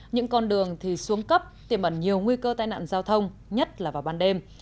những con đường thì xuống cấp tiềm ẩn nhiều nguy cơ tai nạn giao thông nhất là vào ban đêm